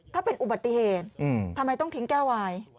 ถ้าเป็นอุบัติเหตุทำไมต้องทิ้งแก้ววาย